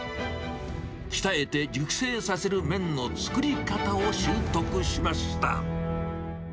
鍛えて熟成させる麺の作り方を習得しました。